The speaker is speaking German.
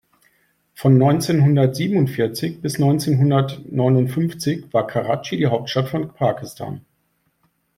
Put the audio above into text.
Von neunzehnhundertsiebenundvierzig bis neunzehnhundertneunundfünfzig war Karatschi die Hauptstadt von Pakistan.